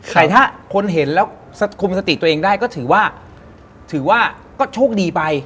แต่ถ้าคนเห็นแล้วคุมสติตัวเองได้ก็ถือว่าถือว่าก็โชคดีไป